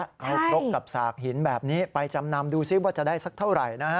เอาครกกับสากหินแบบนี้ไปจำนำดูซิว่าจะได้สักเท่าไหร่นะฮะ